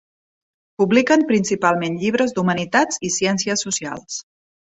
Publiquen principalment llibres d'humanitats i ciències socials.